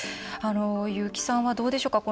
優木さんは、どうでしょうか。